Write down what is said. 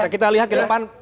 kita lihat ke depan